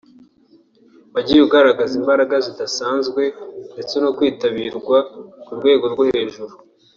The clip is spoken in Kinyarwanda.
wagiye ugaragaza imbaraga zidasanzwe ndetse no kwitabirwa ku rwego rwo hejuru